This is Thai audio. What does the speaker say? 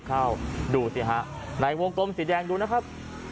ไหนโว้งกลมสีแดงดูนะครับ